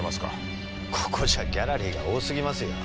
ここじゃギャラリーが多すぎますよ。